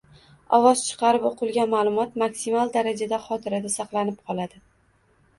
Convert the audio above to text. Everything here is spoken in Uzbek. Ovoz chiqarib o'qilgan ma’lumot maksimal darajada xotirada saqlanib qoladi.